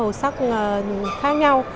màu sắc khác nhau